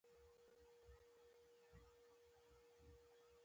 د کرنې وزارت د بزګرانو ملاتړ کوي